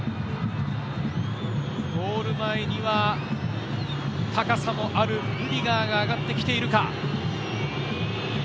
ゴール前には高さもあるルディガーが上がってきているか。